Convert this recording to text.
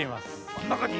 あのなかに？